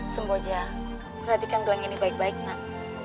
semboja perhatikan gelang ini baik baik nak